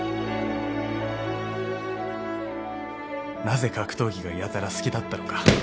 なぜ格闘技がやたら好きだったのか。